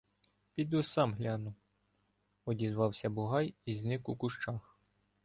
— Піду сам гляну, — одізвався Бугай і зник у кущах.